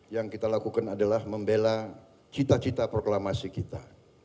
yang kita lakukan adalah membela cita cita proklamasi kita